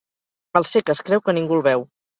El cec es creu que ningú el veu.